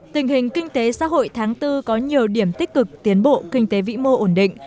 tình hình kinh tế xã hội tháng bốn có nhiều điểm tích cực tiến bộ kinh tế vĩ mô ổn định